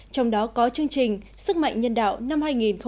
trong đó có chương trình sức mạnh nhân đạo năm hai nghìn hai mươi